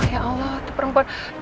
ya allah itu perempuan